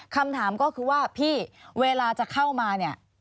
คำถามก็คือว่าพี่เวลาจะเข้ามาเนี่ย